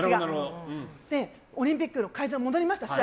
オリンピックの会場に戻りました。